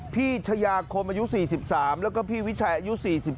พี่ชายาคมอายุ๔๓แล้วก็พี่วิชัยอายุ๔๗